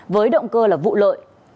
với động cơ là vụ lợi